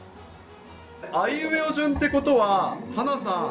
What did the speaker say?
あいうえお順ということは、ハナさん。